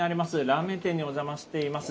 ラーメン店にお邪魔しています。